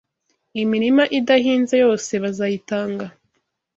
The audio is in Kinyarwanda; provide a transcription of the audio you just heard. Imirima idahinze yose bazayitanga